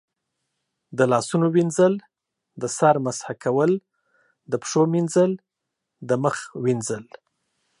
د لاسونو وینځل، د سر مسح کول، د پښو مینځل، د مخ وینځل